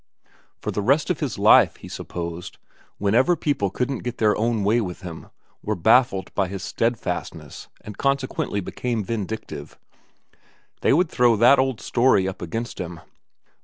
For the rest of his life, he supposed, whenever people couldn't get their own way with him, were baffled by his steadfastness and con sequently became vindictive, they would throw that old story up against him.